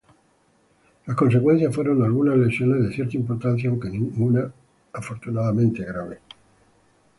Las consecuencias fueron algunas lesiones de cierta importancia, aunque afortunadamente ninguna grave.